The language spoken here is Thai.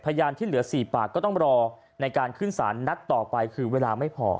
พยานที่เหลือ๔ปากก็ต้องรอในการขึ้นสารนัดต่อไปคือเวลาไม่พอ